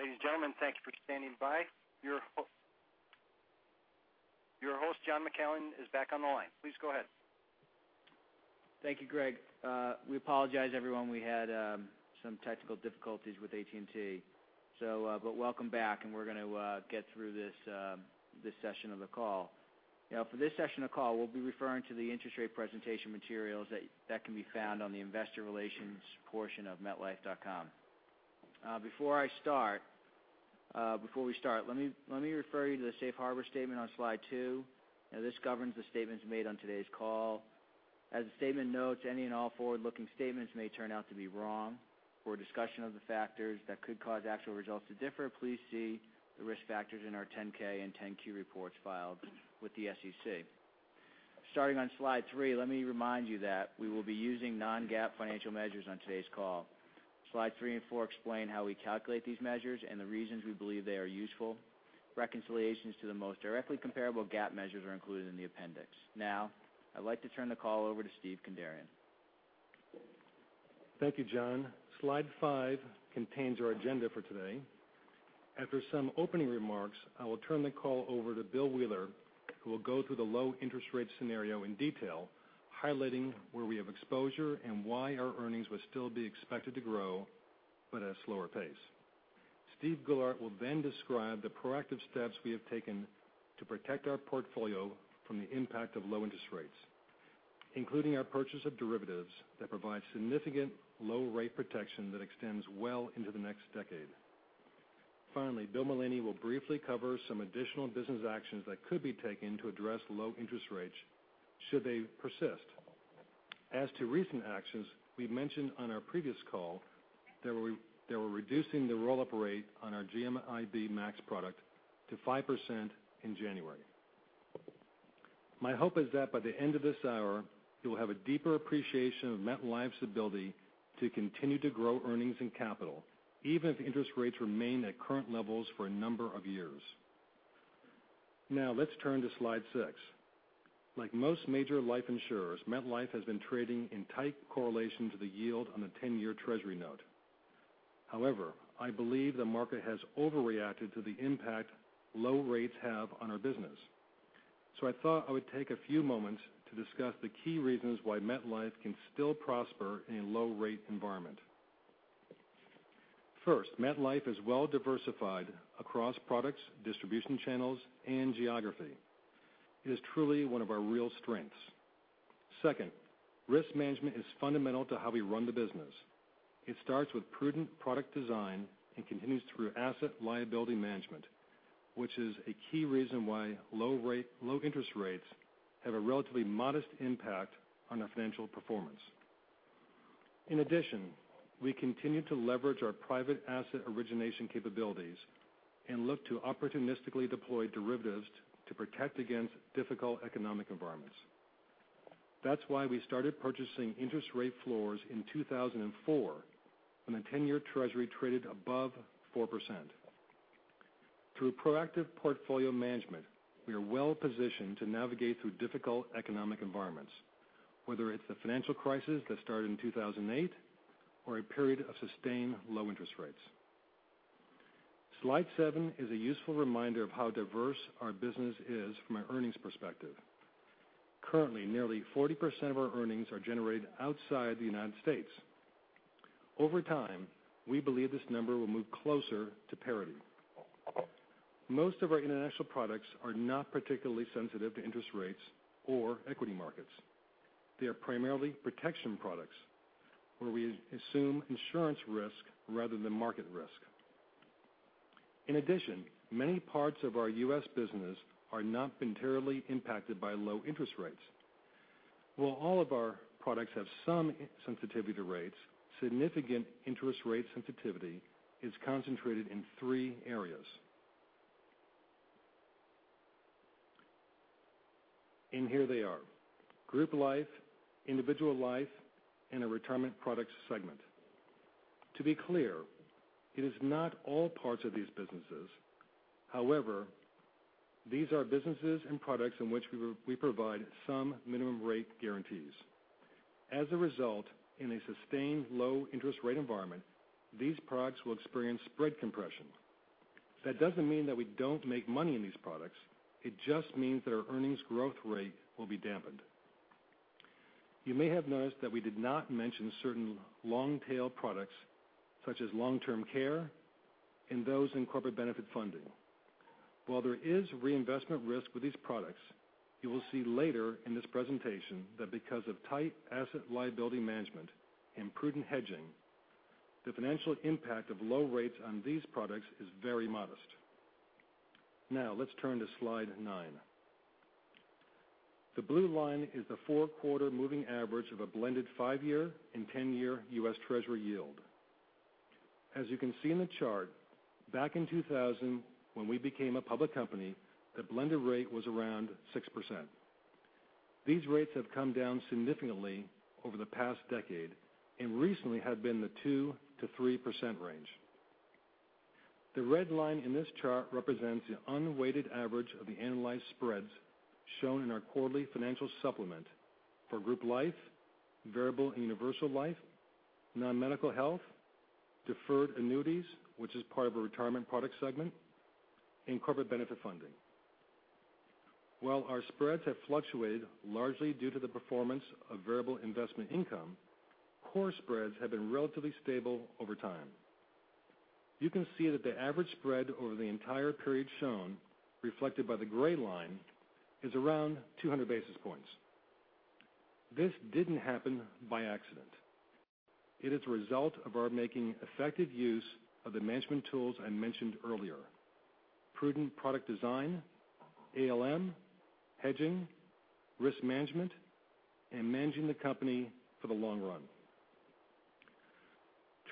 Ladies and gentlemen, thank you for standing by. Your host, John McCallion, is back on the line. Please go ahead. Thank you, Greg. We apologize, everyone. We had some technical difficulties with AT&T. Welcome back, and we're going to get through this session of the call. For this session of the call, we'll be referring to the interest rate presentation materials that can be found on the investor relations portion of metlife.com. Before we start, let me refer you to the safe harbor statement on slide two. This governs the statements made on today's call. As the statement notes, any and all forward-looking statements may turn out to be wrong. For a discussion of the factors that could cause actual results to differ, please see the risk factors in our 10-K and 10-Q reports filed with the SEC. Starting on slide three, let me remind you that we will be using non-GAAP financial measures on today's call. Slide three and four explain how we calculate these measures and the reasons we believe they are useful. Reconciliations to the most directly comparable GAAP measures are included in the appendix. I'd like to turn the call over to Steven Kandarian. Thank you, John. Slide five contains our agenda for today. After some opening remarks, I will turn the call over to William Wheeler, who will go through the low interest rate scenario in detail, highlighting where we have exposure and why our earnings would still be expected to grow, but at a slower pace. Steven Goulart will then describe the proactive steps we have taken to protect our portfolio from the impact of low interest rates, including our purchase of derivatives that provide significant low rate protection that extends well into the next decade. Finally, William Mullaney will briefly cover some additional business actions that could be taken to address low interest rates should they persist. As to recent actions, we mentioned on our previous call that we're reducing the roll-up rate on our GMIB Max product to 5% in January. My hope is that by the end of this hour, you'll have a deeper appreciation of MetLife's ability to continue to grow earnings and capital, even if interest rates remain at current levels for a number of years. Let's turn to slide six. Like most major life insurers, MetLife has been trading in tight correlation to the yield on the 10-year treasury note. However, I believe the market has overreacted to the impact low rates have on our business. I thought I would take a few moments to discuss the key reasons why MetLife can still prosper in a low rate environment. First, MetLife is well diversified across products, distribution channels, and geography. It is truly one of our real strengths. Second, risk management is fundamental to how we run the business. It starts with prudent product design and continues through asset liability management, which is a key reason why low interest rates have a relatively modest impact on our financial performance. In addition, we continue to leverage our private asset origination capabilities and look to opportunistically deploy derivatives to protect against difficult economic environments. That's why we started purchasing interest rate floors in 2004 when the 10-year treasury traded above 4%. Through proactive portfolio management, we are well positioned to navigate through difficult economic environments, whether it's the financial crisis that started in 2008 or a period of sustained low interest rates. Slide seven is a useful reminder of how diverse our business is from an earnings perspective. Currently, nearly 40% of our earnings are generated outside the United States. Over time, we believe this number will move closer to parity. Most of our international products are not particularly sensitive to interest rates or equity markets. They are primarily protection products where we assume insurance risk rather than market risk. In addition, many parts of our U.S. business are not materially impacted by low interest rates. While all of our products have some sensitivity to rates, significant interest rate sensitivity is concentrated in three areas. Here they are, group life, individual life, and a retirement product segment. To be clear, it is not all parts of these businesses. However, these are businesses and products in which we provide some minimum rate guarantees. As a result, in a sustained low interest rate environment, these products will experience spread compression. That doesn't mean that we don't make money in these products. It just means that our earnings growth rate will be dampened. You may have noticed that we did not mention certain long-tail products such as long-term care and those in corporate benefit funding. While there is reinvestment risk with these products, you will see later in this presentation that because of tight asset liability management and prudent hedging, the financial impact of low rates on these products is very modest. Let's turn to slide nine. The blue line is the four-quarter moving average of a blended five-year and 10-year U.S. Treasury yield. As you can see in the chart, back in 2000 when we became a public company, the blended rate was around 6%. These rates have come down significantly over the past decade and recently have been in the 2%-3% range. The red line in this chart represents the unweighted average of the analyzed spreads shown in our quarterly financial supplement for group life variable and universal life, nonmedical health, deferred annuities, which is part of a retirement product segment, and corporate benefit funding. While our spreads have fluctuated largely due to the performance of variable investment income, core spreads have been relatively stable over time. You can see that the average spread over the entire period shown, reflected by the gray line, is around 200 basis points. This didn't happen by accident. It is a result of our making effective use of the management tools I mentioned earlier, prudent product design, ALM, hedging, risk management, and managing the company for the long run.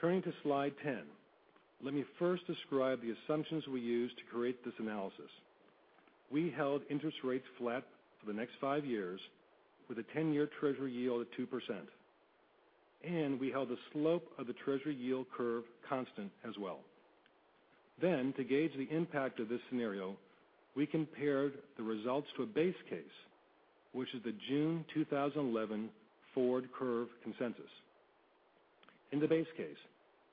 Turning to slide 10, let me first describe the assumptions we used to create this analysis. We held interest rates flat for the next five years with a 10-year Treasury yield of 2%, we held the slope of the Treasury yield curve constant as well. To gauge the impact of this scenario, we compared the results to a base case, which is the June 2011 forward curve consensus. In the base case,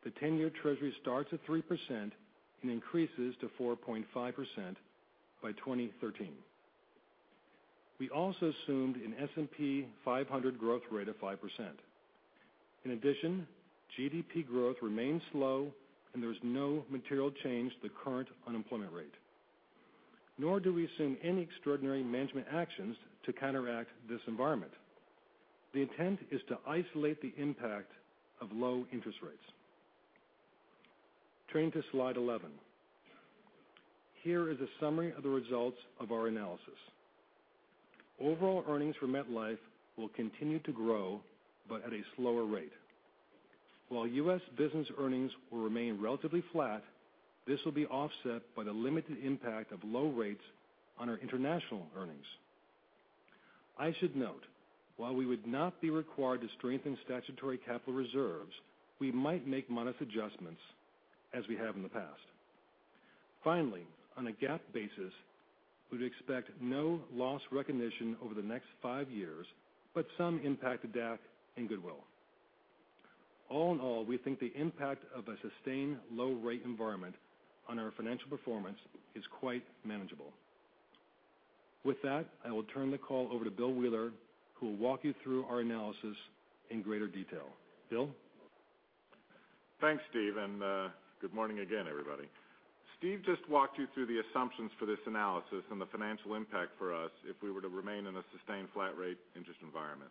the 10-year Treasury starts at 3% and increases to 4.5% by 2013. We also assumed an S&P 500 growth rate of 5%. In addition, GDP growth remains slow, there is no material change to the current unemployment rate, nor do we assume any extraordinary management actions to counteract this environment. The intent is to isolate the impact of low interest rates. Turning to slide 11. Here is a summary of the results of our analysis. Overall earnings for MetLife will continue to grow, but at a slower rate. While U.S. business earnings will remain relatively flat, this will be offset by the limited impact of low rates on our international earnings. I should note, while we would not be required to strengthen statutory capital reserves, we might make modest adjustments as we have in the past. Finally, on a GAAP basis, we'd expect no loss recognition over the next five years, but some impact to DAC and goodwill. All in all, we think the impact of a sustained low-rate environment on our financial performance is quite manageable. With that, I will turn the call over to William Wheeler, who will walk you through our analysis in greater detail. Bill? Thanks, Steve, good morning again, everybody. Steve just walked you through the assumptions for this analysis and the financial impact for us if we were to remain in a sustained flat rate interest environment.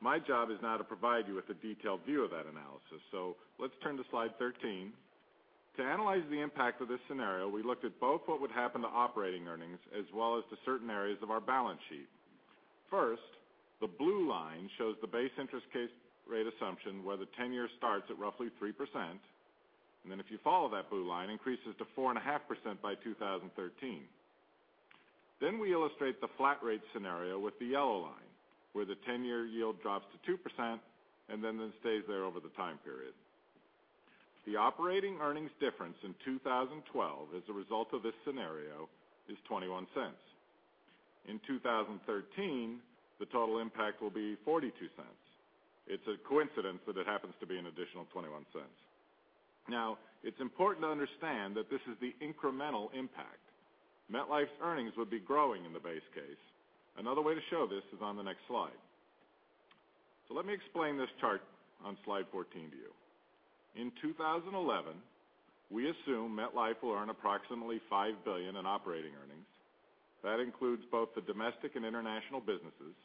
My job is now to provide you with a detailed view of that analysis. Let's turn to slide 13. To analyze the impact of this scenario, we looked at both what would happen to operating earnings as well as to certain areas of our balance sheet. First, the blue line shows the base interest case rate assumption, where the 10-year starts at roughly 3%, if you follow that blue line, increases to 4.5% by 2013. We illustrate the flat rate scenario with the yellow line, where the 10-year yield drops to 2% stays there over the time period. The operating earnings difference in 2012 as a result of this scenario is $0.21. In 2013, the total impact will be $0.42. It's a coincidence that it happens to be an additional $0.21. Now, it's important to understand that this is the incremental impact. MetLife's earnings would be growing in the base case. Another way to show this is on the next slide. So let me explain this chart on slide 14 to you. In 2011, we assume MetLife will earn approximately $5 billion in operating earnings. That includes both the domestic and international businesses.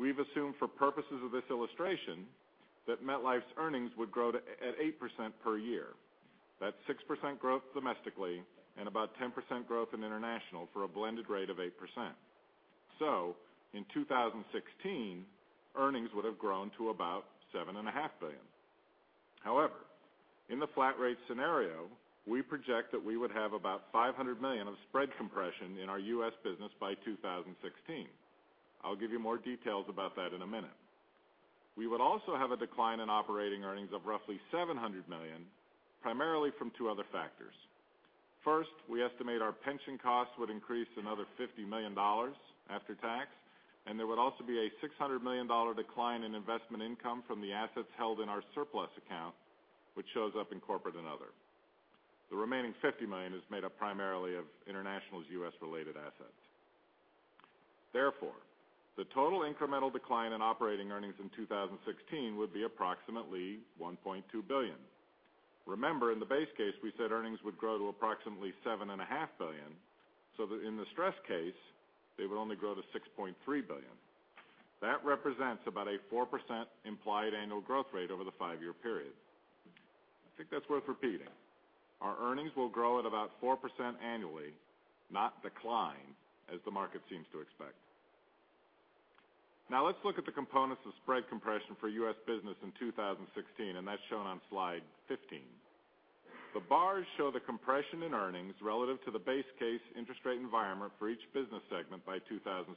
We've assumed for purposes of this illustration that MetLife's earnings would grow at 8% per year. That's 6% growth domestically and about 10% growth in international for a blended rate of 8%. So in 2016, earnings would have grown to about $7.5 billion. In the flat rate scenario, we project that we would have about $500 million of spread compression in our U.S. business by 2016. I'll give you more details about that in a minute. We would also have a decline in operating earnings of roughly $700 million, primarily from two other factors. We estimate our pension costs would increase another $50 million after tax, and there would also be a $600 million decline in investment income from the assets held in our surplus account, which shows up in corporate and other. The remaining $50 million is made up primarily of international U.S. related assets. The total incremental decline in operating earnings in 2016 would be approximately $1.2 billion. Remember, in the base case, we said earnings would grow to approximately $7.5 billion, so in the stress case, they would only grow to $6.3 billion. That represents about a 4% implied annual growth rate over the five-year period. I think that's worth repeating. Our earnings will grow at about 4% annually, not decline as the market seems to expect. Now let's look at the components of spread compression for U.S. business in 2016, and that's shown on slide 15. The bars show the compression in earnings relative to the base case interest rate environment for each business segment by 2016.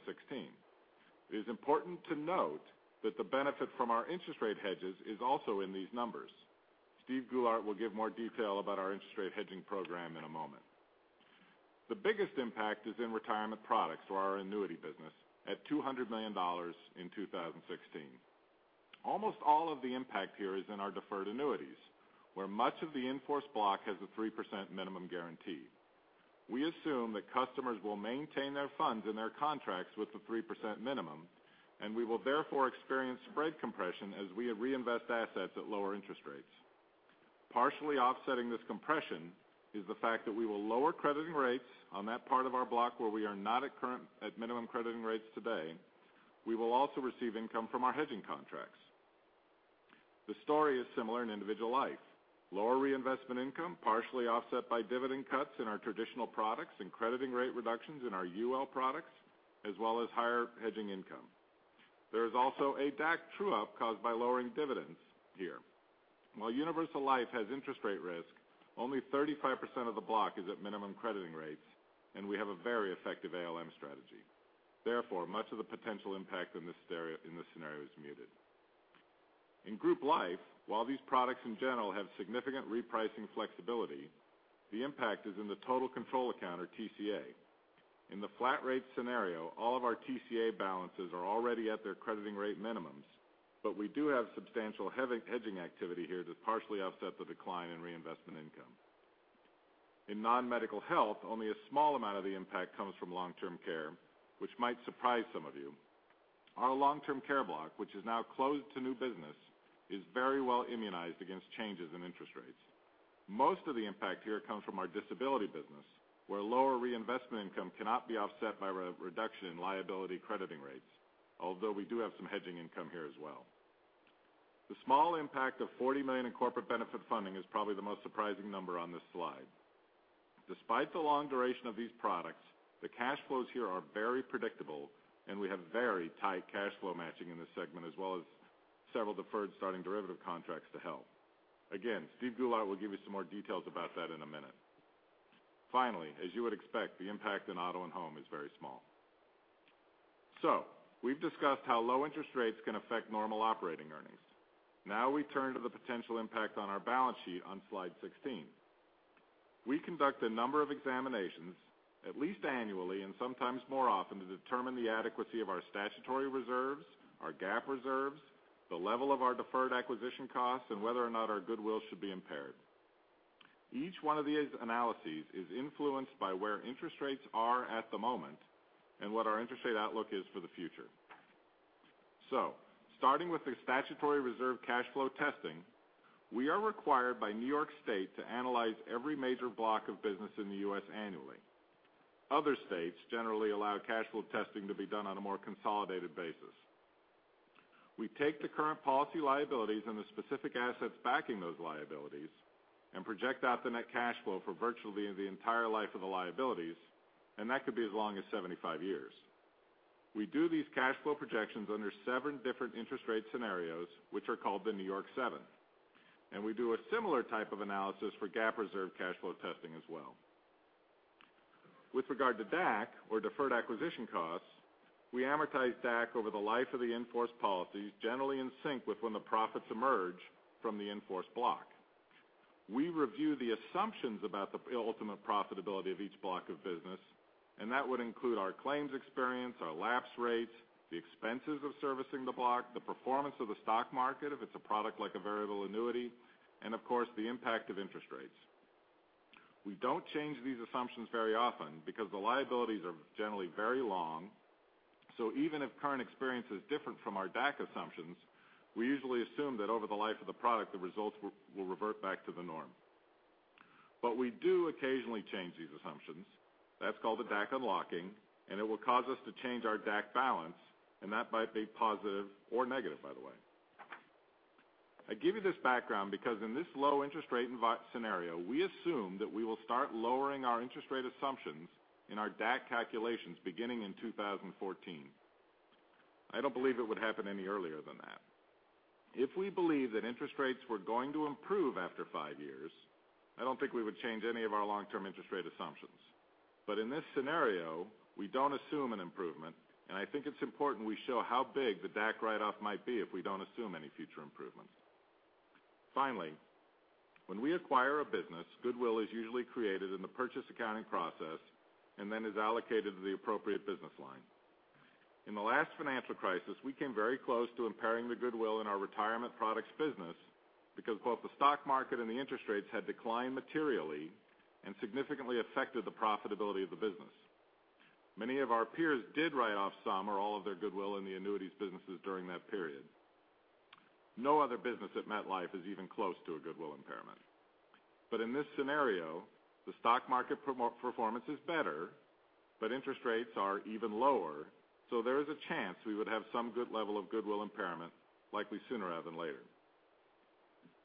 It is important to note that the benefit from our interest rate hedges is also in these numbers. Steven Goulart will give more detail about our interest rate hedging program in a moment. The biggest impact is in retirement products or our annuity business at $200 million in 2016. Almost all of the impact here is in our deferred annuities, where much of the in-force block has a 3% minimum guarantee. We assume that customers will maintain their funds in their contracts with the 3% minimum, and we will therefore experience spread compression as we reinvest assets at lower interest rates. Partially offsetting this compression is the fact that we will lower crediting rates on that part of our block where we are not at minimum crediting rates today. We will also receive income from our hedging contracts. The story is similar in individual life. Lower reinvestment income, partially offset by dividend cuts in our traditional products and crediting rate reductions in our UL products, as well as higher hedging income. There is also a DAC true-up caused by lowering dividends here. While universal life has interest rate risk, only 35% of the block is at minimum crediting rates, and we have a very effective ALM strategy. Therefore, much of the potential impact in this scenario is muted. In group life, while these products in general have significant repricing flexibility, the impact is in the Total Control Account or TCA. TCA balances are already at their crediting rate minimums, but we do have substantial hedging activity here to partially offset the decline in reinvestment income. In non-medical health, only a small amount of the impact comes from long-term care, which might surprise some of you. Our long-term care block, which is now closed to new business, is very well immunized against changes in interest rates. Most of the impact here comes from our disability business, where lower reinvestment income cannot be offset by reduction in liability crediting rates, although we do have some hedging income here as well. The small impact of $40 million in corporate benefit funding is probably the most surprising number on this slide. Despite the long duration of these products, the cash flows here are very predictable, and we have very tight cash flow matching in this segment, as well as several deferred starting derivative contracts to help. Again, Steven Goulart will give you some more details about that in a minute. Finally, as you would expect, the impact on auto and home is very small. We've discussed how low interest rates can affect normal operating earnings. Now we turn to the potential impact on our balance sheet on slide 16. We conduct a number of examinations at least annually and sometimes more often to determine the adequacy of our statutory reserves, our GAAP reserves, the level of our deferred acquisition costs, and whether or not our goodwill should be impaired. Each one of these analyses is influenced by where interest rates are at the moment and what our interest rate outlook is for the future. Starting with the statutory reserve cash flow testing, we are required by New York State to analyze every major block of business in the U.S. annually. Other states generally allow cash flow testing to be done on a more consolidated basis. We take the current policy liabilities and the specific assets backing those liabilities and project out the net cash flow for virtually the entire life of the liabilities, and that could be as long as 75 years. We do these cash flow projections under seven different interest rate scenarios, which are called the New York Seven, and we do a similar type of analysis for GAAP reserve cash flow testing as well. With regard to DAC or deferred acquisition costs, we amortize DAC over the life of the in-force policies, generally in sync with when the profits emerge from the in-force block. We review the assumptions about the ultimate profitability of each block of business, and that would include our claims experience, our lapse rates, the expenses of servicing the block, the performance of the stock market if it's a product like a variable annuity, and of course, the impact of interest rates. We don't change these assumptions very often because the liabilities are generally very long. Even if current experience is different from our DAC assumptions, we usually assume that over the life of the product, the results will revert back to the norm. We do occasionally change these assumptions. That's called a DAC unlocking, and it will cause us to change our DAC balance, and that might be positive or negative, by the way. I give you this background because in this low interest rate scenario, we assume that we will start lowering our interest rate assumptions in our DAC calculations beginning in 2014. I don't believe it would happen any earlier than that. If we believe that interest rates were going to improve after five years, I don't think we would change any of our long-term interest rate assumptions. In this scenario, we don't assume an improvement, and I think it's important we show how big the DAC write-off might be if we don't assume any future improvements. Finally, when we acquire a business, goodwill is usually created in the purchase accounting process and then is allocated to the appropriate business line. In the last financial crisis, we came very close to impairing the goodwill in our retirement products business because both the stock market and the interest rates had declined materially and significantly affected the profitability of the business. Many of our peers did write off some or all of their goodwill in the annuities businesses during that period. No other business at MetLife is even close to a goodwill impairment. In this scenario, the stock market performance is better, but interest rates are even lower. There is a chance we would have some good level of goodwill impairment, likely sooner rather than later.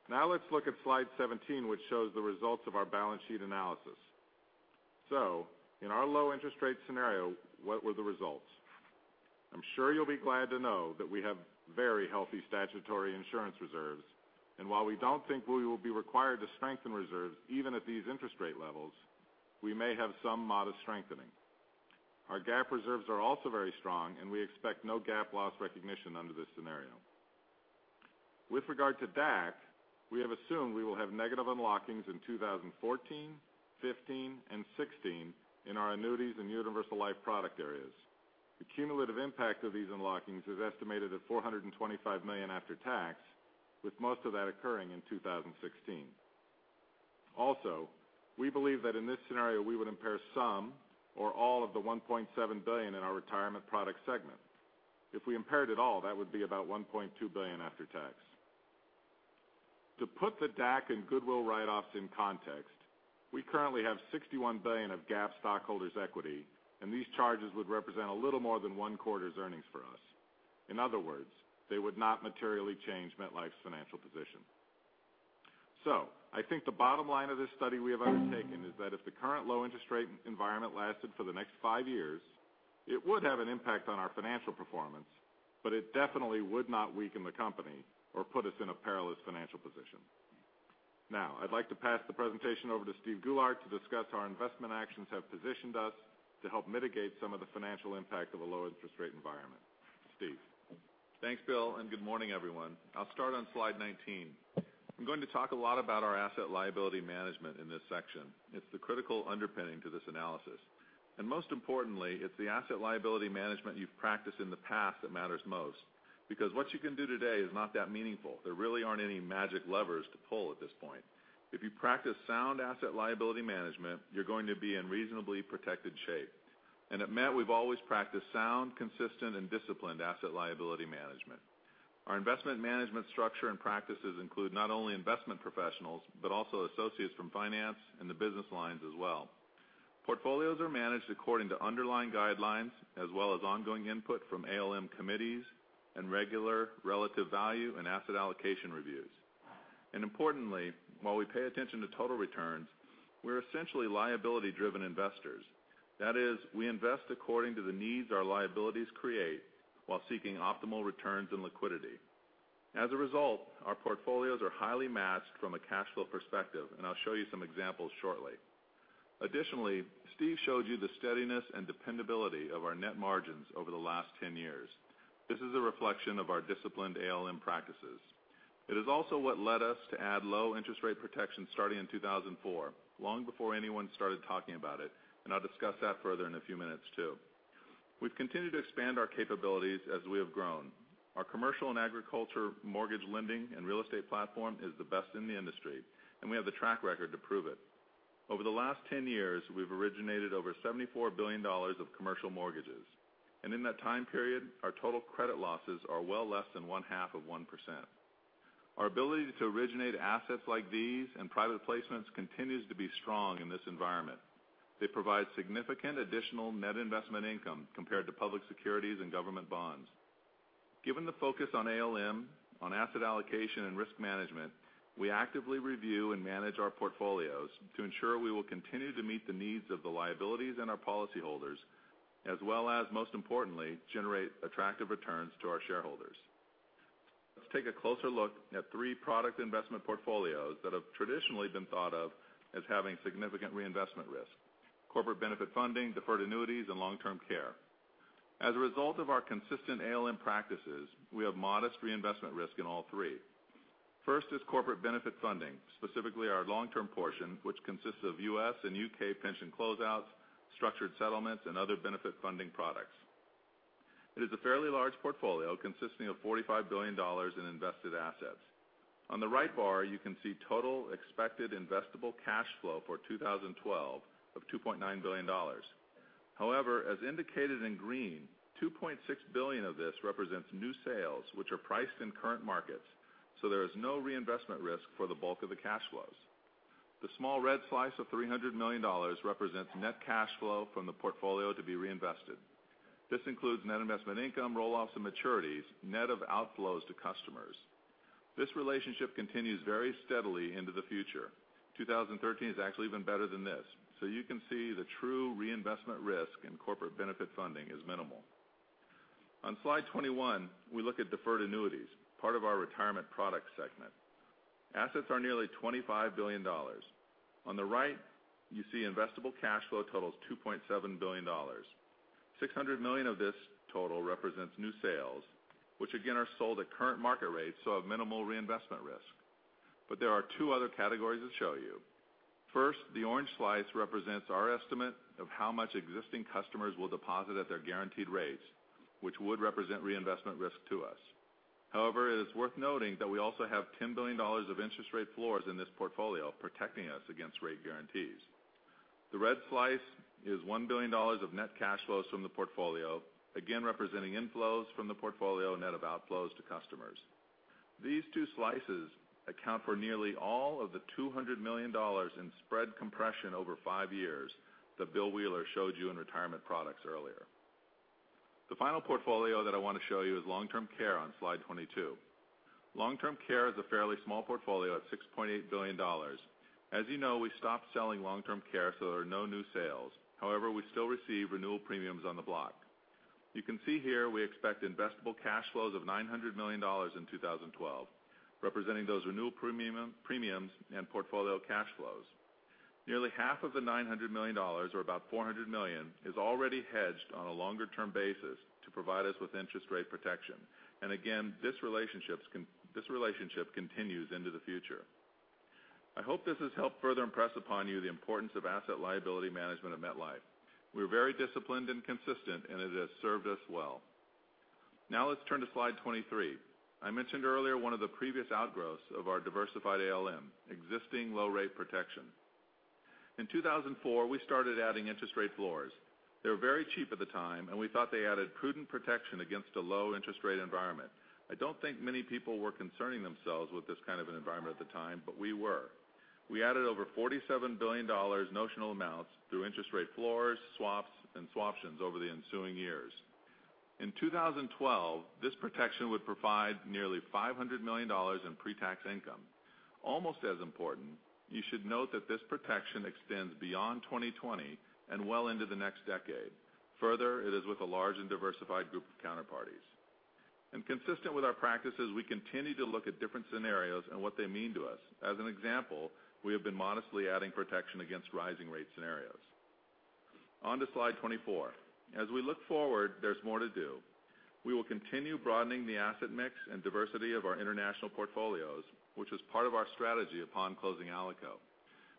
Now let's look at slide 17, which shows the results of our balance sheet analysis. In our low interest rate scenario, what were the results? I'm sure you'll be glad to know that we have very healthy statutory insurance reserves, and while we don't think we will be required to strengthen reserves, even at these interest rate levels, we may have some modest strengthening. Our GAAP reserves are also very strong, and we expect no GAAP loss recognition under this scenario. With regard to DAC, we have assumed we will have negative unlockings in 2014, 2015, and 2016 in our annuities and universal life product areas. The cumulative impact of these unlockings is estimated at $425 million after tax, with most of that occurring in 2016. Also, we believe that in this scenario, we would impair some or all of the $1.7 billion in our retirement product segment. If we impaired at all, that would be about $1.2 billion after tax. To put the DAC and goodwill write-offs in context, we currently have $61 billion of GAAP stockholders equity, and these charges would represent a little more than one quarter's earnings for us. In other words, they would not materially change MetLife's financial position. I think the bottom line of this study we have undertaken is that if the current low interest rate environment lasted for the next five years, it would have an impact on our financial performance, but it definitely would not weaken the company or put us in a perilous financial position. Now I'd like to pass the presentation over to Steven Goulart to discuss how our investment actions have positioned us to help mitigate some of the financial impact of a low interest rate environment. Steve. Thanks, Bill, and good morning, everyone. I'll start on slide 19. I'm going to talk a lot about our asset liability management in this section. It's the critical underpinning to this analysis, and most importantly, it's the asset liability management you've practiced in the past that matters most because what you can do today is not that meaningful. There really aren't any magic levers to pull at this point. If you practice sound asset liability management, you're going to be in reasonably protected shape. At Met, we've always practiced sound, consistent, and disciplined asset liability management. Our investment management structure and practices include not only investment professionals, but also associates from finance and the business lines as well. Portfolios are managed according to underlying guidelines as well as ongoing input from ALM committees and regular relative value and asset allocation reviews. Importantly, while we pay attention to total returns, we're essentially liability driven investors. That is, we invest according to the needs our liabilities create while seeking optimal returns and liquidity. As a result, our portfolios are highly matched from a cash flow perspective, and I'll show you some examples shortly. Additionally, Steve showed you the steadiness and dependability of our net margins over the last 10 years. This is a reflection of our disciplined ALM practices. It is also what led us to add low interest rate protection starting in 2004, long before anyone started talking about it, and I'll discuss that further in a few minutes too. We've continued to expand our capabilities as we have grown. Our commercial and agriculture mortgage lending and real estate platform is the best in the industry, and we have the track record to prove it. Over the last 10 years, we've originated over $74 billion of commercial mortgages. In that time period, our total credit losses are well less than one-half of 1%. Our ability to originate assets like these and private placements continues to be strong in this environment. They provide significant additional net investment income compared to public securities and government bonds. Given the focus on ALM on asset allocation and risk management, we actively review and manage our portfolios to ensure we will continue to meet the needs of the liabilities and our policy holders, as well as, most importantly, generate attractive returns to our shareholders. Let's take a closer look at three product investment portfolios that have traditionally been thought of as having significant reinvestment risk: corporate benefit funding, deferred annuities, and long-term care. As a result of our consistent ALM practices, we have modest reinvestment risk in all three. First is corporate benefit funding, specifically our long-term portion, which consists of U.S. and U.K. pension closeouts, structured settlements, and other benefit funding products. It is a fairly large portfolio consisting of $45 billion in invested assets. On the right bar, you can see total expected investable cash flow for 2012 of $2.9 billion. However, as indicated in green, $2.6 billion of this represents new sales, which are priced in current markets, so there is no reinvestment risk for the bulk of the cash flows. The small red slice of $300 million represents net cash flow from the portfolio to be reinvested. This includes net investment income, roll-offs, and maturities, net of outflows to customers. This relationship continues very steadily into the future. 2013 is actually even better than this. You can see the true reinvestment risk in corporate benefit funding is minimal. On slide 21, we look at deferred annuities, part of our retirement product segment. Assets are nearly $25 billion. On the right, you see investable cash flow totals $2.7 billion. $600 million of this total represents new sales, which again are sold at current market rates, so have minimal reinvestment risk. There are 2 other categories to show you. First, the orange slice represents our estimate of how much existing customers will deposit at their guaranteed rates, which would represent reinvestment risk to us. However, it is worth noting that we also have $10 billion of interest rate floors in this portfolio protecting us against rate guarantees. The red slice is $1 billion of net cash flows from the portfolio, again representing inflows from the portfolio net of outflows to customers. These two slices account for nearly all of the $200 million in spread compression over five years that William Wheeler showed you in retirement products earlier. The final portfolio that I want to show you is long-term care on slide 22. Long-term care is a fairly small portfolio at $6.8 billion. As you know, we stopped selling long-term care, so there are no new sales. However, we still receive renewal premiums on the block. You can see here we expect investable cash flows of $900 million in 2012, representing those renewal premiums and portfolio cash flows. Nearly half of the $900 million, or about $400 million, is already hedged on a longer-term basis to provide us with interest rate protection. Again, this relationship continues into the future. I hope this has helped further impress upon you the importance of ALM at MetLife. We're very disciplined and consistent, it has served us well. Now let's turn to slide 23. I mentioned earlier one of the previous outgrowths of our diversified ALM, existing low rate protection. In 2004, we started adding interest rate floors. They were very cheap at the time, we thought they added prudent protection against a low interest rate environment. I don't think many people were concerning themselves with this kind of an environment at the time, we were. We added over $47 billion notional amounts through interest rate floors, swaps, and swaptions over the ensuing years. In 2012, this protection would provide nearly $500 million in pre-tax income. Almost as important, you should note that this protection extends beyond 2020 and well into the next decade. Further, it is with a large and diversified group of counterparties. Consistent with our practices, we continue to look at different scenarios and what they mean to us. As an example, we have been modestly adding protection against rising rate scenarios. On to slide 24. As we look forward, there's more to do. We will continue broadening the asset mix and diversity of our international portfolios, which was part of our strategy upon closing Alico.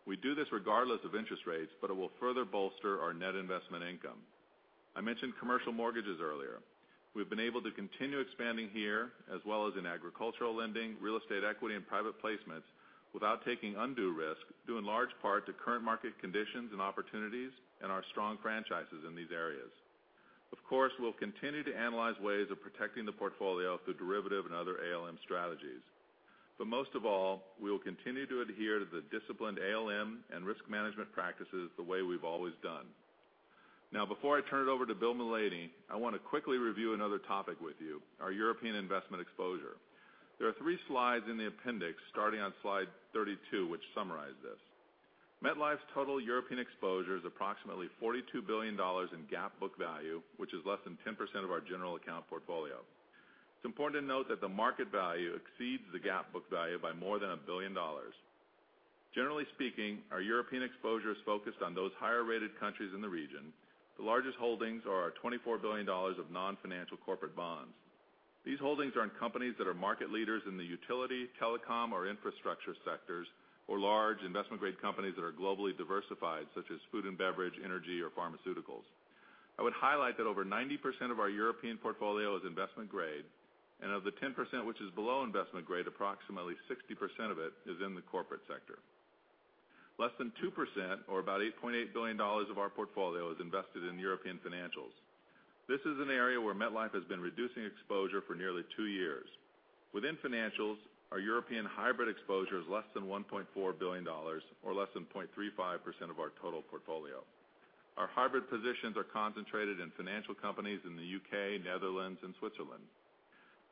We do this regardless of interest rates, it will further bolster our net investment income. I mentioned commercial mortgages earlier. We've been able to continue expanding here, as well as in agricultural lending, real estate equity, and private placements without taking undue risk due in large part to current market conditions and opportunities and our strong franchises in these areas. Of course, we'll continue to analyze ways of protecting the portfolio through derivative and other ALM strategies. Most of all, we will continue to adhere to the disciplined ALM and risk management practices the way we've always done. Before I turn it over to William Mullaney, I want to quickly review another topic with you, our European investment exposure. There are three slides in the appendix starting on slide 32, which summarize this. MetLife's total European exposure is approximately $42 billion in GAAP book value, which is less than 10% of our general account portfolio. It's important to note that the market value exceeds the GAAP book value by more than $1 billion. Generally speaking, our European exposure is focused on those higher-rated countries in the region. The largest holdings are our $24 billion of non-financial corporate bonds. These holdings are in companies that are market leaders in the utility, telecom, or infrastructure sectors, or large investment-grade companies that are globally diversified, such as food and beverage, energy, or pharmaceuticals. I would highlight that over 90% of our European portfolio is investment grade, and of the 10% which is below investment grade, approximately 60% of it is in the corporate sector. Less than 2%, or about $8.8 billion of our portfolio is invested in European financials. This is an area where MetLife has been reducing exposure for nearly two years. Within financials, our European hybrid exposure is less than $1.4 billion or less than 0.35% of our total portfolio. Our hybrid positions are concentrated in financial companies in the U.K., Netherlands, and Switzerland.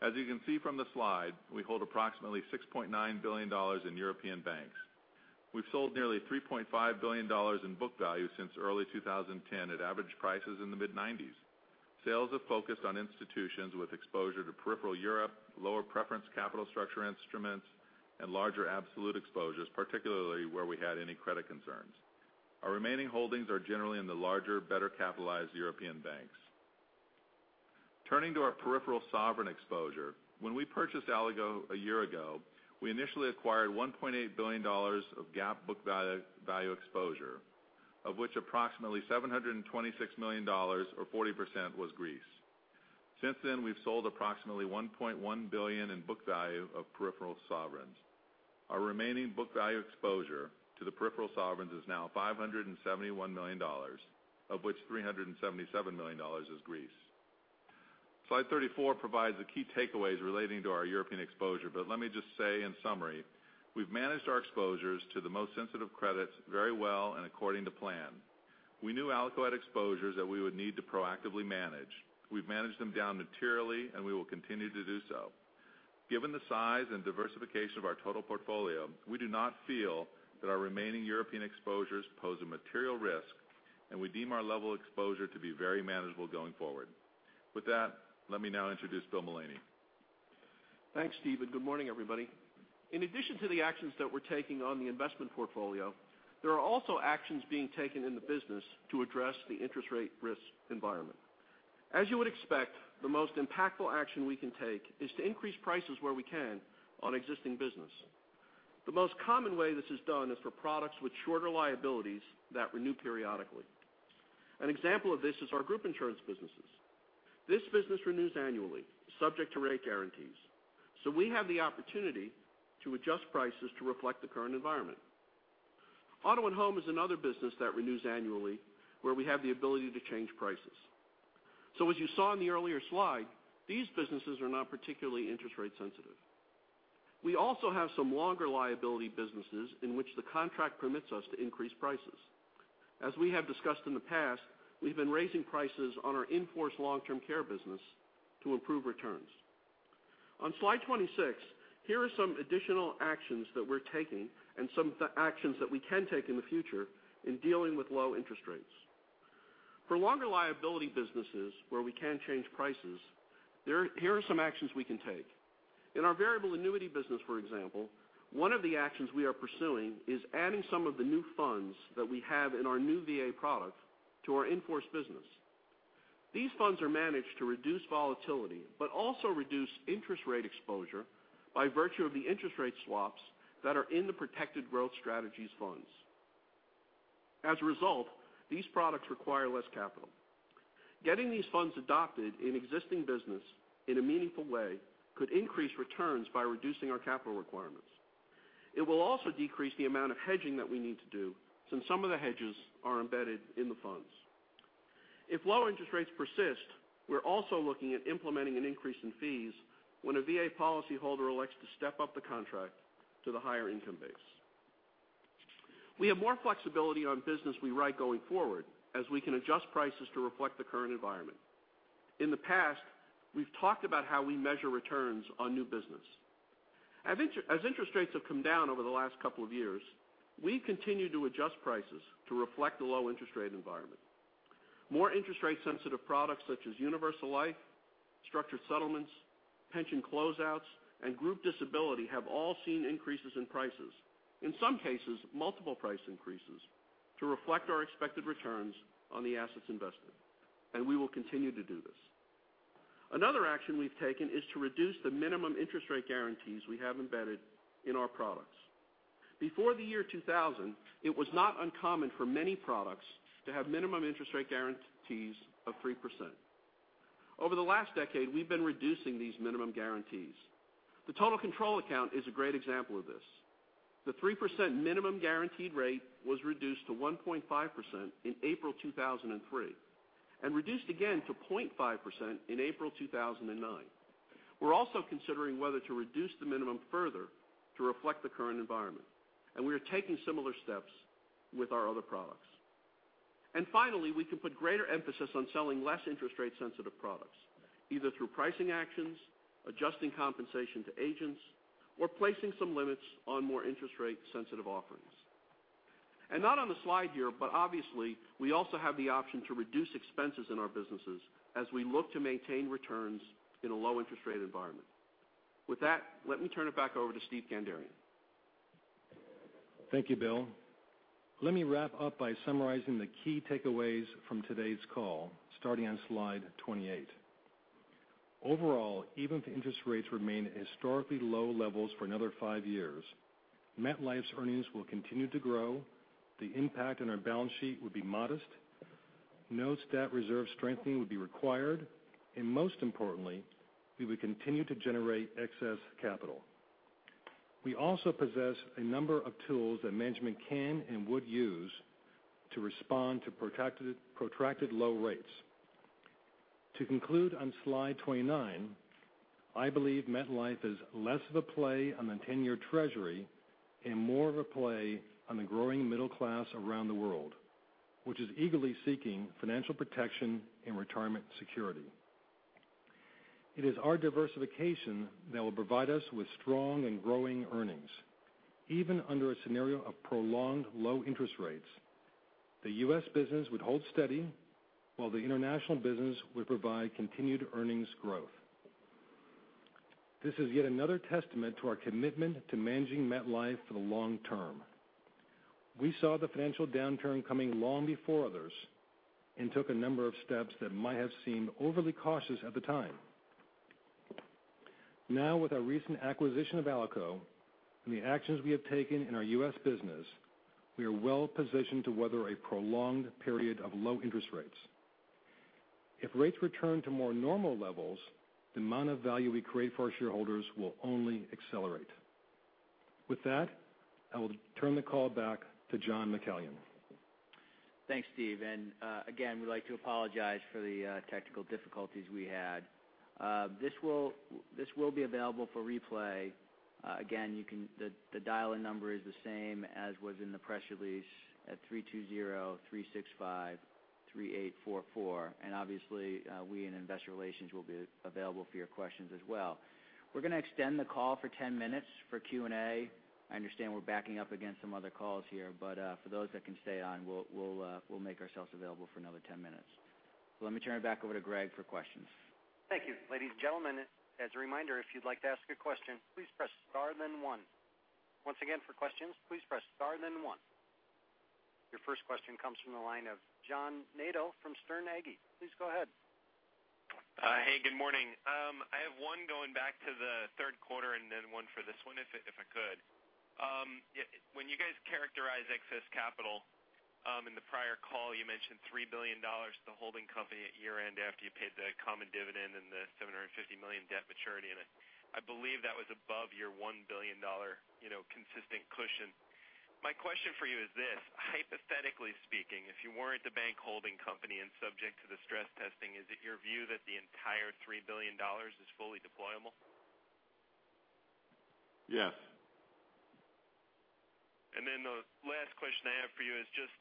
As you can see from the slide, we hold approximately $6.9 billion in European banks. We've sold nearly $3.5 billion in book value since early 2010 at average prices in the mid-90s. Sales have focused on institutions with exposure to peripheral Europe, lower preference capital structure instruments, and larger absolute exposures, particularly where we had any credit concerns. Our remaining holdings are generally in the larger, better capitalized European banks. Turning to our peripheral sovereign exposure, when we purchased Alico one year ago, we initially acquired $1.8 billion of GAAP book value exposure, of which approximately $726 million, or 40%, was Greece. Since then, we've sold approximately $1.1 billion in book value of peripheral sovereigns. Our remaining book value exposure to the peripheral sovereigns is now $571 million, of which $377 million is Greece. Slide 34 provides the key takeaways relating to our European exposure, let me just say in summary, we've managed our exposures to the most sensitive credits very well and according to plan. We knew Alico had exposures that we would need to proactively manage. We've managed them down materially, and we will continue to do so. Given the size and diversification of our total portfolio, we do not feel that our remaining European exposures pose a material risk, and we deem our level exposure to be very manageable going forward. With that, let me now introduce William Mullaney. Thanks, Steve, and good morning, everybody. In addition to the actions that we're taking on the investment portfolio, there are also actions being taken in the business to address the interest rate risk environment. As you would expect, the most impactful action we can take is to increase prices where we can on existing business. The most common way this is done is for products with shorter liabilities that renew periodically. An example of this is our group insurance businesses. This business renews annually, subject to rate guarantees. We have the opportunity to adjust prices to reflect the current environment. Auto and home is another business that renews annually where we have the ability to change prices. As you saw in the earlier slide, these businesses are not particularly interest rate sensitive. We also have some longer liability businesses in which the contract permits us to increase prices. As we have discussed in the past, we've been raising prices on our in-force long-term care business to improve returns. On slide 26, here are some additional actions that we're taking and some of the actions that we can take in the future in dealing with low interest rates. For longer liability businesses where we can change prices, here are some actions we can take. In our variable annuity business, for example, one of the actions we are pursuing is adding some of the new funds that we have in our new VA product to our in-force business. These funds are managed to reduce volatility, but also reduce interest rate exposure by virtue of the interest rate swaps that are in the Protected Growth Strategies funds. As a result, these products require less capital. Getting these funds adopted in existing business in a meaningful way could increase returns by reducing our capital requirements. It will also decrease the amount of hedging that we need to do, since some of the hedges are embedded in the funds. If low interest rates persist, we're also looking at implementing an increase in fees when a VA policyholder elects to step up the contract to the higher income base. We have more flexibility on business we write going forward, as we can adjust prices to reflect the current environment. In the past, we've talked about how we measure returns on new business. As interest rates have come down over the last couple of years, we've continued to adjust prices to reflect the low interest rate environment. More interest rate sensitive products such as universal life, structured settlements, pension closeouts, and group disability have all seen increases in prices, in some cases, multiple price increases, to reflect our expected returns on the assets invested, and we will continue to do this. Another action we've taken is to reduce the minimum interest rate guarantees we have embedded in our products. Before the year 2000, it was not uncommon for many products to have minimum interest rate guarantees of 3%. Over the last decade, we've been reducing these minimum guarantees. The total control account is a great example of this. The 3% minimum guaranteed rate was reduced to 1.5% in April 2003, and reduced again to 0.5% in April 2009. We're also considering whether to reduce the minimum further to reflect the current environment, and we are taking similar steps with our other products. Finally, we can put greater emphasis on selling less interest rate sensitive products, either through pricing actions, adjusting compensation to agents, or placing some limits on more interest rate sensitive offerings. Not on the slide here, but obviously, we also have the option to reduce expenses in our businesses as we look to maintain returns in a low interest rate environment. With that, let me turn it back over to Steven Kandarian. Thank you, Bill. Let me wrap up by summarizing the key takeaways from today's call, starting on slide 28. Overall, even if interest rates remain at historically low levels for another five years, MetLife's earnings will continue to grow, the impact on our balance sheet would be modest, no stat reserve strengthening would be required, and most importantly, we would continue to generate excess capital. We also possess a number of tools that management can and would use to respond to protracted low rates. To conclude on slide 29, I believe MetLife is less of a play on the 10-year treasury and more of a play on the growing middle class around the world, which is eagerly seeking financial protection and retirement security. It is our diversification that will provide us with strong and growing earnings, even under a scenario of prolonged low interest rates. The U.S. business would hold steady, while the international business would provide continued earnings growth. This is yet another testament to our commitment to managing MetLife for the long term. We saw the financial downturn coming long before others and took a number of steps that might have seemed overly cautious at the time. Now, with our recent acquisition of Alico and the actions we have taken in our U.S. business, we are well positioned to weather a prolonged period of low interest rates. If rates return to more normal levels, the amount of value we create for our shareholders will only accelerate. With that, I will turn the call back to John McCallion. Thanks, Steve. Again, we'd like to apologize for the technical difficulties we had. This will be available for replay. Again, the dial-in number is the same as was in the press release at 320-365-3844. Obviously, we in investor relations will be available for your questions as well. We're going to extend the call for 10 minutes for Q&A. I understand we're backing up against some other calls here, but for those that can stay on, we'll make ourselves available for another 10 minutes. Let me turn it back over to Greg for questions. Thank you. Ladies and gentlemen, as a reminder, if you'd like to ask a question, please press star then one. Once again, for questions, please press star then one. Your first question comes from the line of John Nadel from Sterne Agee. Please go ahead. Hey, good morning. I have one going back to the third quarter and then one for this one, if I could. When you guys characterize excess capital, in the prior call you mentioned $3 billion to the holding company at year-end after you paid the common dividend and the $750 million debt maturity, and I believe that was above your $1 billion consistent cushion. My question for you is this, hypothetically speaking, if you weren't a bank holding company and subject to the stress testing, is it your view that the entire $3 billion is fully deployable? Yes. The last question I have for you is just,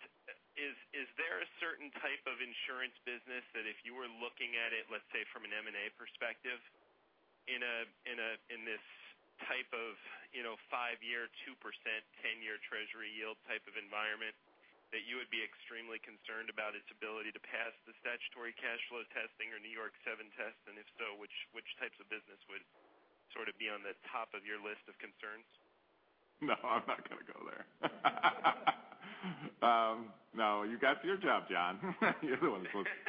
is there a certain type of insurance business that if you were looking at it, let's say from an M&A perspective In this type of five-year, 2%, 10-year treasury yield type of environment, that you would be extremely concerned about its ability to pass the statutory cash flow testing or New York Seven tests? If so, which types of business would sort of be on the top of your list of concerns? No, I'm not going to go there. No, you got your job, John. You're the one who's supposed to.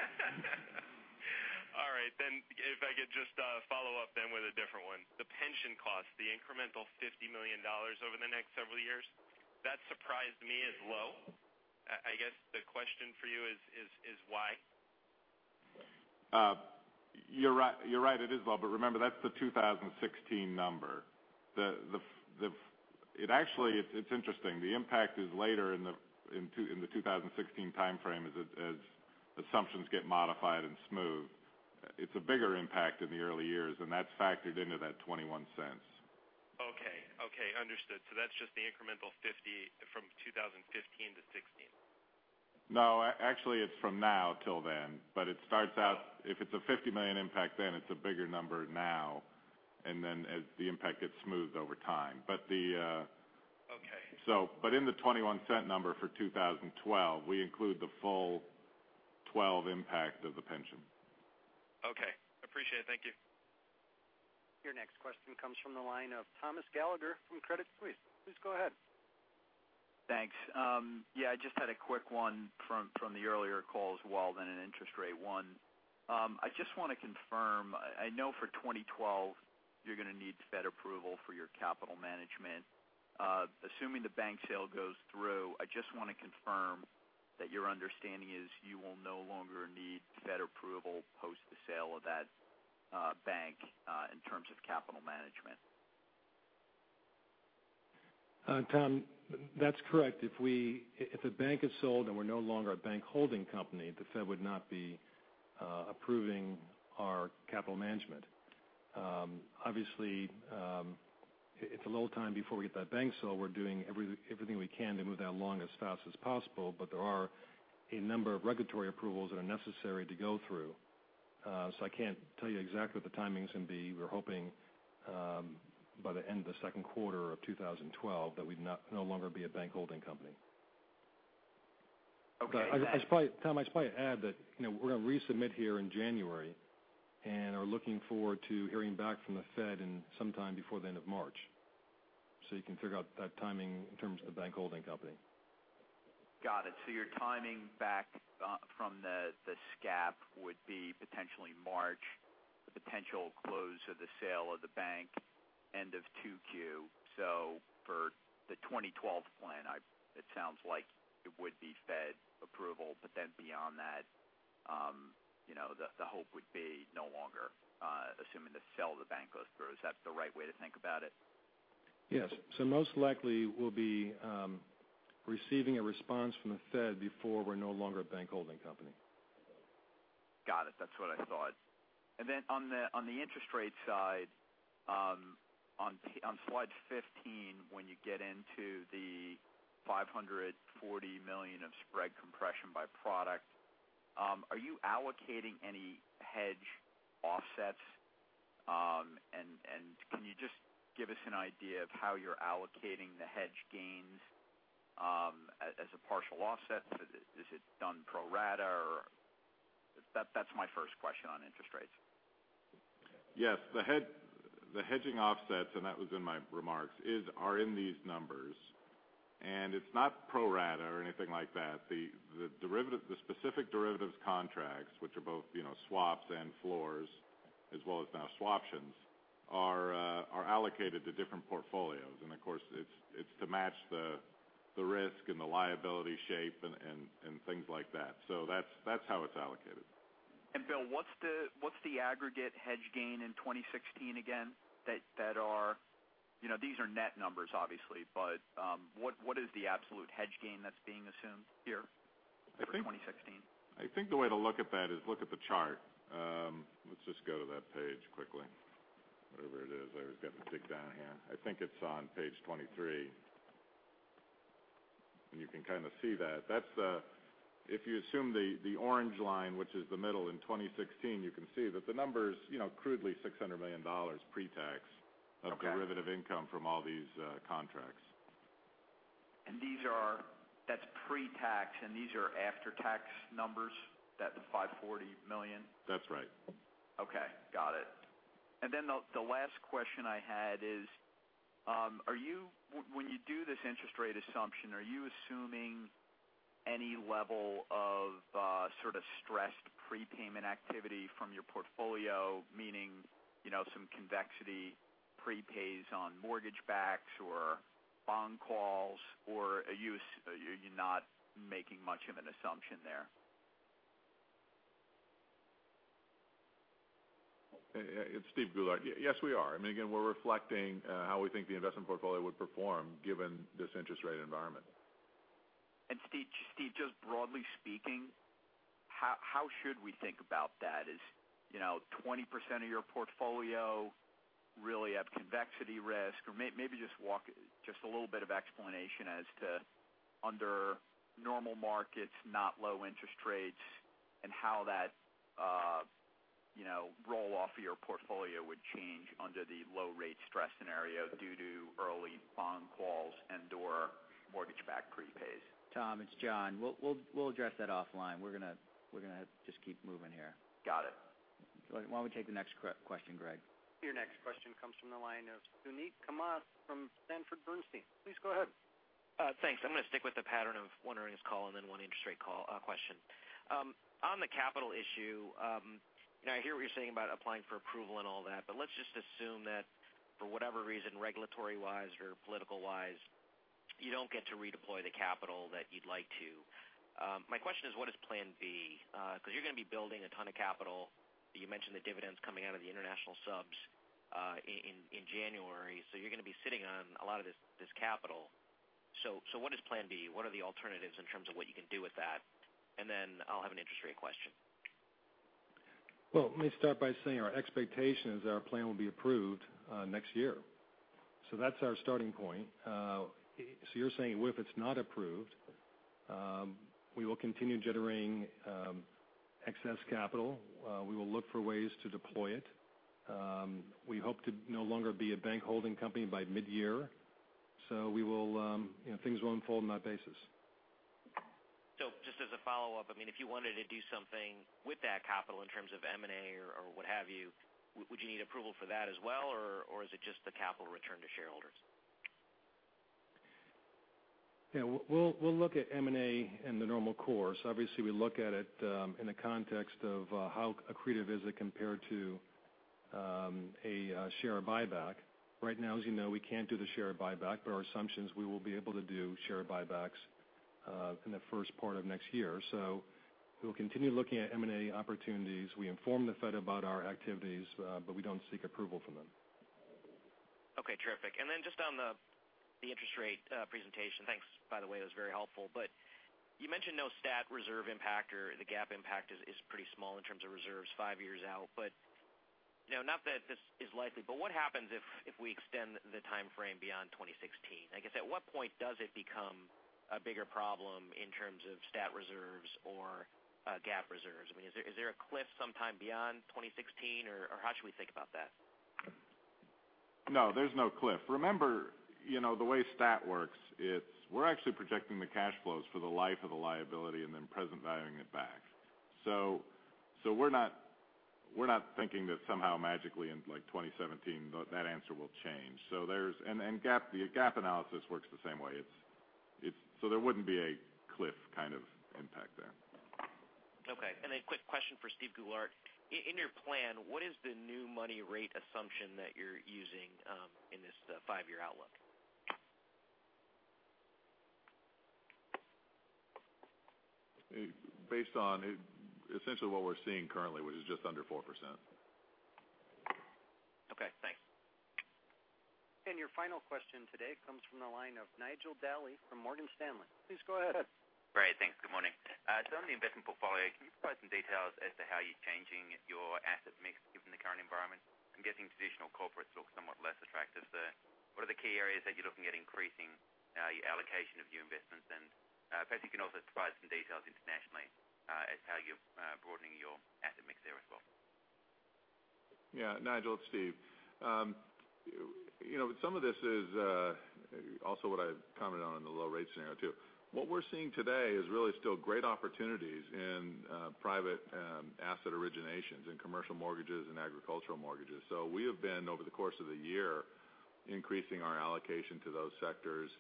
All right, if I could just follow up then with a different one. The pension cost, the incremental $50 million over the next several years, that surprised me as low. I guess the question for you is why? You're right, it is low. Remember, that's the 2016 number. It's interesting. The impact is later in the 2016 timeframe, as assumptions get modified and smoothed. It's a bigger impact in the early years, and that's factored into that $0.21. Okay. Understood. That's just the incremental $50 from 2015 to 2016. No, actually it's from now till then. It starts out, if it's a $50 million impact then, it's a bigger number now, and then as the impact gets smoothed over time. Okay. In the $0.21 number for 2012, we include the full 2012 impact of the pension. Okay. Appreciate it. Thank you. Your next question comes from the line of Thomas Gallagher from Credit Suisse. Please go ahead. Thanks. Yeah, I just had a quick one from the earlier call as well, then an interest rate one. I just want to confirm, I know for 2012 you're going to need Fed approval for your capital management. Assuming the bank sale goes through, I just want to confirm that your understanding is you will no longer need Fed approval post the sale of that bank, in terms of capital management. Tom, that's correct. If a bank is sold, and we're no longer a bank holding company, the Fed would not be approving our capital management. Obviously, it's a little time before we get that bank sold. We're doing everything we can to move that along as fast as possible. There are a number of regulatory approvals that are necessary to go through. I can't tell you exactly what the timing's going to be. We're hoping by the end of the second quarter of 2012 that we'd no longer be a bank holding company. Okay. Tom, I should probably add that we're going to resubmit here in January, and are looking forward to hearing back from the Fed sometime before the end of March. You can figure out that timing in terms of the bank holding company. Got it. Your timing back from the SCAP would be potentially March. The potential close of the sale of the bank, end of 2Q. For the 2012 plan, it sounds like it would be Fed approval, beyond that, the hope would be no longer assuming the sale of the bank goes through. Is that the right way to think about it? Yes. Most likely we'll be receiving a response from the Fed before we're no longer a bank holding company. Got it. That's what I thought. On the interest rate side, on slide 15, when you get into the $540 million of spread compression by product, are you allocating any hedge offsets? Can you just give us an idea of how you're allocating the hedge gains as a partial offset? Is it done pro rata, or That's my first question on interest rates. Yes. The hedging offsets, and that was in my remarks, are in these numbers. It's not pro rata or anything like that. The specific derivatives contracts, which are both swaps and floors as well as now swaptions, are allocated to different portfolios. Of course, it's to match the risk and the liability shape and things like that. That's how it's allocated. Bill, what's the aggregate hedge gain in 2016 again? These are net numbers, obviously, but what is the absolute hedge gain that's being assumed here for 2016? I think the way to look at that is look at the chart. Let's just go to that page quickly. Wherever it is. I always have to dig down here. I think it's on page 23. You can kind of see that. If you assume the orange line, which is the middle in 2016, you can see that the number's crudely $600 million pre-tax- Okay of derivative income from all these contracts. That's pre-tax, and these are after-tax numbers, that $540 million? That's right. The last question I had is, when you do this interest rate assumption, are you assuming any level of sort of stressed prepayment activity from your portfolio, meaning some convexity prepays on mortgage backs or bond calls, or are you not making much of an assumption there? It's Steven Goulart. Yes, we are. I mean, again, we're reflecting how we think the investment portfolio would perform given this interest rate environment. Steve, just broadly speaking, how should we think about that? Is 20% of your portfolio really at convexity risk? Or maybe just a little bit of explanation as to under normal markets, not low interest rates And how that roll off of your portfolio would change under the low rate stress scenario due to early bond calls and/or mortgage-backed prepays? Tom, it's John. We'll address that offline. We're going to just keep moving here. Got it. Why don't we take the next question, Greg? Your next question comes from the line of Suneet Kamath from Sanford Bernstein. Please go ahead. Thanks. I'm going to stick with the pattern of one earnings call and then one interest rate question. On the capital issue, I hear what you're saying about applying for approval and all that. Let's just assume that for whatever reason, regulatory-wise or political-wise, you don't get to redeploy the capital that you'd like to. My question is, what is plan B? You're going to be building a ton of capital. You mentioned the dividends coming out of the international subs in January. You're going to be sitting on a lot of this capital. What is plan B? What are the alternatives in terms of what you can do with that? I'll have an interest rate question. Well, let me start by saying our expectation is that our plan will be approved next year. That's our starting point. You're saying, what if it's not approved? We will continue generating excess capital. We will look for ways to deploy it. We hope to no longer be a bank holding company by mid-year. Things will unfold on that basis. Just as a follow-up, if you wanted to do something with that capital in terms of M&A or what have you, would you need approval for that as well, or is it just the capital return to shareholders? Yeah. We'll look at M&A in the normal course. Obviously, we look at it in the context of how accretive is it compared to a share buyback. Right now, as you know, we can't do the share buyback, but our assumption is we will be able to do share buybacks in the first part of next year. We'll continue looking at M&A opportunities. We inform the Fed about our activities, but we don't seek approval from them. Okay, terrific. Then just on the interest rate presentation. Thanks, by the way, that was very helpful. You mentioned no stat reserve impact or the GAAP impact is pretty small in terms of reserves five years out. Not that this is likely, but what happens if we extend the timeframe beyond 2016? I guess, at what point does it become a bigger problem in terms of stat reserves or GAAP reserves? Is there a cliff sometime beyond 2016, or how should we think about that? No, there's no cliff. Remember, the way stat works, we're actually projecting the cash flows for the life of the liability and then present valuing it back. We're not thinking that somehow magically in 2017, that answer will change. The GAAP analysis works the same way. There wouldn't be a cliff kind of impact there. Okay. A quick question for Steven Goulart. In your plan, what is the new money rate assumption that you're using in this five-year outlook? Based on essentially what we're seeing currently, which is just under 4%. Okay, thanks. Your final question today comes from the line of Nigel Daly from Morgan Stanley. Please go ahead. Great, thanks. Good morning. On the investment portfolio, can you provide some details as to how you're changing your asset mix given the current environment? I'm guessing traditional corporates look somewhat less attractive there. What are the key areas that you're looking at increasing your allocation of new investments in? Perhaps you can also provide some details internationally as how you're broadening your asset mix there as well. Nigel, it's Steve. Some of this is also what I commented on in the low rate scenario, too. What we're seeing today is really still great opportunities in private asset originations, in commercial mortgages, and agricultural mortgages. We have been, over the course of the year, increasing our allocation to those sectors.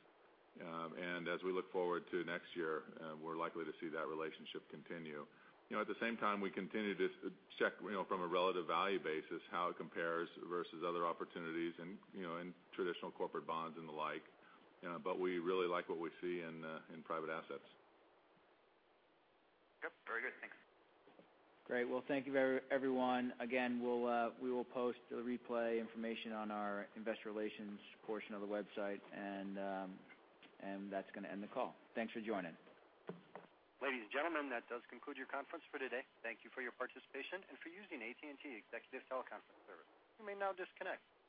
As we look forward to next year, we're likely to see that relationship continue. At the same time, we continue to check from a relative value basis how it compares versus other opportunities in traditional corporate bonds and the like. We really like what we see in private assets. Very good. Thanks. Great. Well, thank you everyone. Again, we will post the replay information on our investor relations portion of the website, and that's going to end the call. Thanks for joining. Ladies and gentlemen, that does conclude your conference for today. Thank you for your participation and for using AT&T Executive Teleconference Service. You may now disconnect.